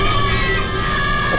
tidak ada yang bisa dipercaya